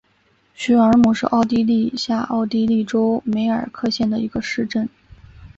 许尔姆是奥地利下奥地利州梅尔克县的一个市镇。